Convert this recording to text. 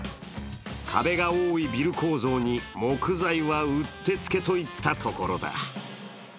壁が多いビル構造に木材はうってつけといったところだ。